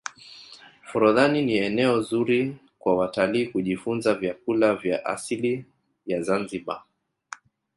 forodhani ni eneo zuri kwa watalii kujifunza vyakula vya asili ya zanzibar